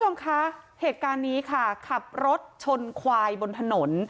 ทุกคนค่ะเหตุการณ์นี้ค่ะขับรถชนควายบนถนน